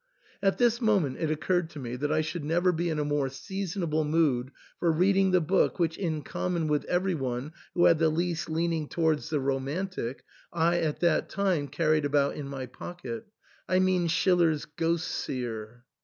At this moment it occurred to me that I should never be in a more seasonable mood for reading the book which, in com mon with every one who had the least leaning towards the romantic, I at that time carried about in my pocket, — I mean Schiller's "Ghost seer."